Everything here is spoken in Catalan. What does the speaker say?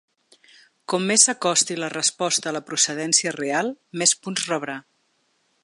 Com més s’acosti la resposta a la procedència real, més punts rebrà.